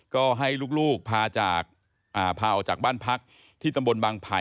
ก็ให้ลูกพาออกจากบ้านพักที่ตำบลบางไผ่